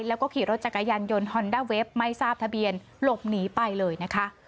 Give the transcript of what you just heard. แล้วก็ขี่รถจักรยานยนต์ฮอนด้าเวฟไม่ทราบทะเบียนหลบหนีไปเลยนะคะ